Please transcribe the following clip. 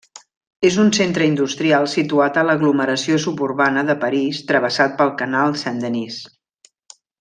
És un centre industrial situat a l'aglomeració suburbana de París travessat pel canal Saint-Denis.